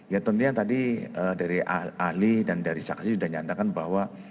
ya tentunya tadi dari ahli dan dari saksi sudah nyatakan bahwa